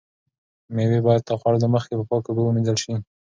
مېوې باید له خوړلو مخکې په پاکو اوبو ومینځل شي.